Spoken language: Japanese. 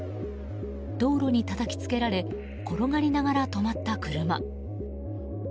道路にたたき付けられ転がりながら止まった車。